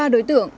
ba đối tượng